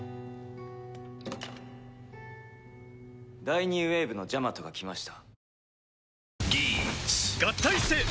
第２ウェーブのジャマトが来ました。